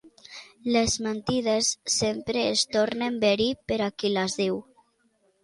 Les mentides sempre es tornen verí per a qui les diu.